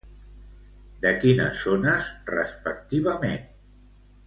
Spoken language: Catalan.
De quines zones, respectivament?